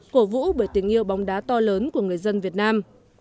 cổ vũ bởi tình yêu bóng đá to lớn của người dân việt nam